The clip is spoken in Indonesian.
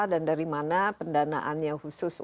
dan dari mana pendanaannya khususnya